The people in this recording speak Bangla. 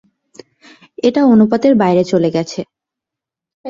এটা অনুপাতের বাইরে চলে গেছে।